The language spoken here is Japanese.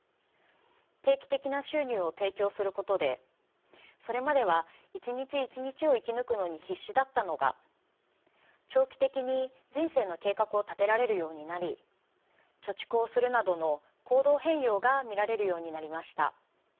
定期的な収入を提供することでそれまでは一日一日を生き抜くのに必死だったのが長期的に人生の計画を立てられるようになり貯蓄をするなどの行動変容が見られるようになりました。